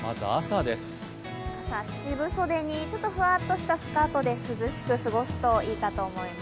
朝、七分袖に、ふわっとしたスカートで涼しく過ごせるといいかと思います。